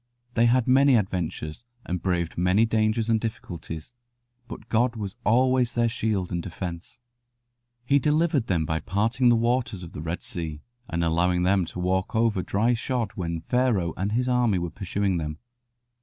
They had many adventures, and braved many dangers and difficulties, but God was always their shield and defence. He delivered them by parting the waters of the Red Sea and allowing them to walk over dry shod when Pharaoh and his army were pursuing them.